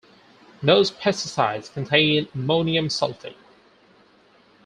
Most pesticides contain ammonium sulfate.